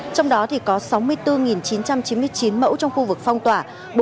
trong đó có sáu mươi bốn chín trăm chín mươi chín mẫu trong khu vực phong tỏa